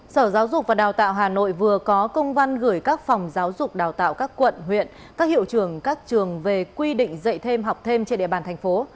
sở giáo dục và đào tạo hà nội vừa có công văn gửi các phòng giáo dục đào tạo các quận huyện các hiệu trường các trường về quy định dạy thêm học thêm trên địa bàn thành phố